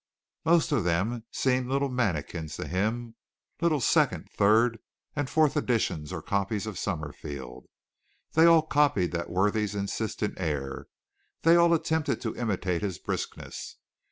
Most of them seemed little mannikins to him little second, third, and fourth editions or copies of Summerfield. They all copied that worthy's insistent air. They all attempted to imitate his briskness.